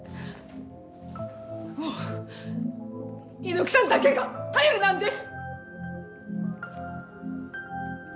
もう、猪木さんだけが頼りなんです！